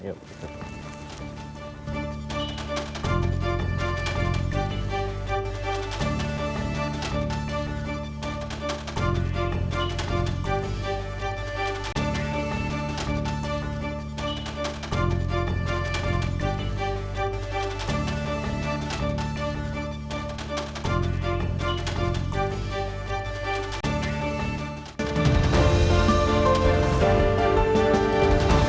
oke terima kasih